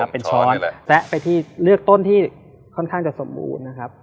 เป็นช้อนและไปที่เลือกต้นที่ค่อนข้างจะสมบูรณ์นะครับ